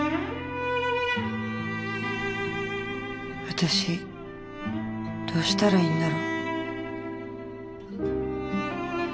私どうしたらいいんだろ。